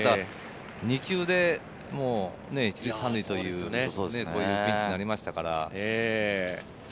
２球で、１塁・３塁というね、ピンチになりましたから。